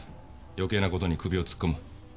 よけいなことに首を突っ込む。